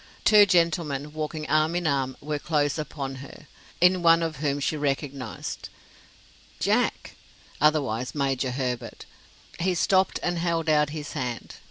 Two gentlemen, walking arm in arm, were close upon her, in one of whom she recognized "Jack," otherwise Major Herbert. He stopped, and held out his hand.